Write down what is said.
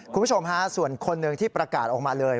คุณผู้ชมฮะส่วนคนหนึ่งที่ประกาศออกมาเลย